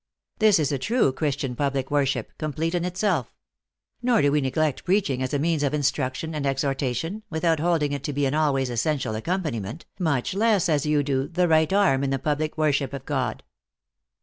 This is a true Christian public worship, com plete in itself. Nor do we neglect preaching as a means of instruction and exhortation, without holding it to be an always essential accompaniment, much less, as you do, the right arm in the public worship of God."